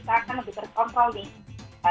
otomatis kita akan lebih terkontrol nih